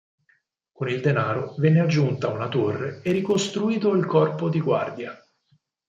Con il denaro venne aggiunta una torre e ricostruito il corpo di guardia.